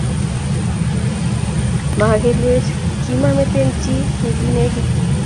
Magelwech, kimamiten chi negilegit